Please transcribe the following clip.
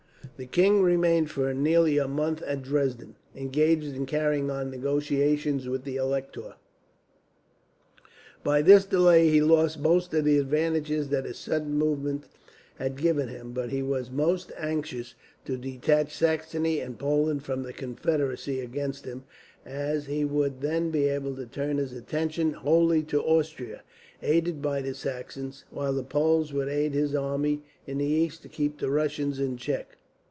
The king remained for nearly a month at Dresden, engaged in carrying on negotiations with the Elector. By this delay he lost most of the advantages that his sudden movement had given him; but he was most anxious to detach Saxony and Poland from the confederacy against him, as he would then be able to turn his attention wholly to Austria, aided by the Saxons, while the Poles would aid his army in the east to keep the Russians in check.